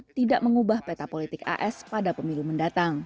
tidak mengubah peta politik as pada pemilu mendatang